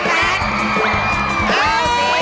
๔แล้ว๔๕แล้ว๖๘